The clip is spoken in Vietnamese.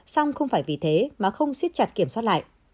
xong không phải vì thế mà không xiết chặt kiểm soát lại